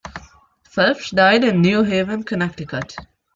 Phelps died in New Haven, Connecticut.